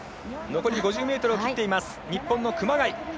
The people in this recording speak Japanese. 残り５０ｍを切っています日本の熊谷！